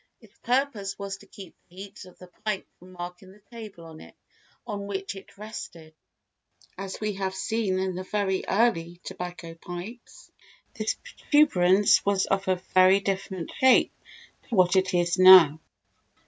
Its purpose was to keep the heat of the pipe from marking the table on which it rested. Originally, as we have seen in very early tobacco pipes, this protuberance was of a very different shape to what it is now.